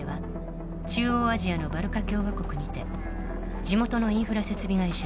中央アジアのバルカ共和国にて地元のインフラ設備会社